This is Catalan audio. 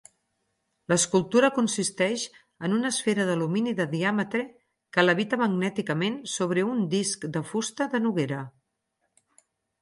L'escultura consisteix en una esfera d'alumini de diàmetre que levita magnèticament sobre un disc de fusta de noguera.